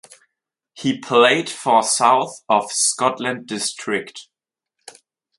He played for South of Scotland District.